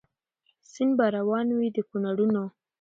سیند به روان وي د کونړونو